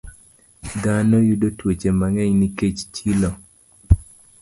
Dhano yudo tuoche mang'eny nikech chilo.